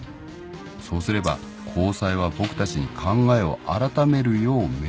そうすれば高裁は僕たちに考えを改めるよう命令してくる。